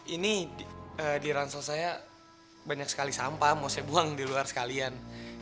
ini di ransel saya banyak sekali sampah mau saya buang di luar sekalian